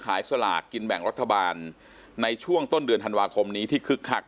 สลากกินแบ่งรัฐบาลในช่วงต้นเดือนธันวาคมนี้ที่คึกคัก